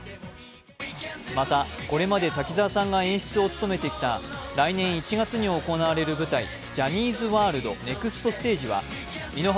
また、これまで滝沢さんが演出を務めてきた来年１月に行われる舞台「ジャーニーズワールドネクストステージ」は